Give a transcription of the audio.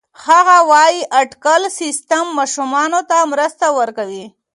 هغې وايي اټکلي سیستم ماشومانو ته مرسته ورکوي.